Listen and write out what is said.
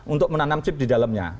untuk menanam chip di dalamnya